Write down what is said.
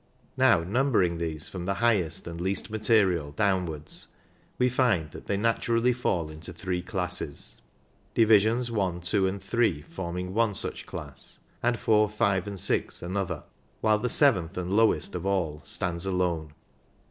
Now numbering these from the highest and least material downwards, we find that they naturally fall into three classes, divisions i, 2 and 3 forming one such class, and 4, 5 and 6 another, while the seventh and lowest of all stands alone.